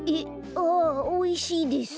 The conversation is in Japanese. ああおいしいです。